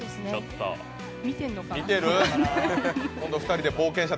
見てんのかな？